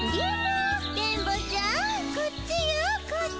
電ボちゃんこっちよこっち。